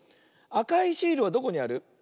あかいシールはどこにある？